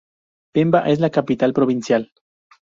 Pemba es la capital provincial.